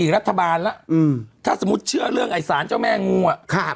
รัฐบาลแล้วถ้าสมมุติเชื่อเรื่องไอ้สารเจ้าแม่งูอ่ะ